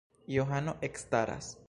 Johano ekstaras.